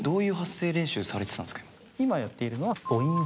今やっているのは。